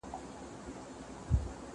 زه مخکي د کتابتوننۍ سره خبري کړي وو؟!